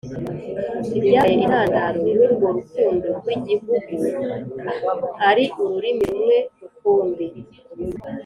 ibyabaye intandaro y'urwo rukundo rw'igihugu, ari ururimi rumwe rukumbi.